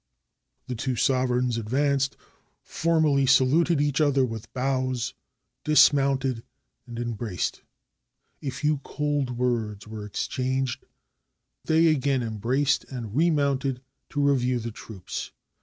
The two sovereigns advanced, formally saluted each other with bows, dismounted and embraced. A few cold words were exchanged, when they again embraced and remounted to review the troops.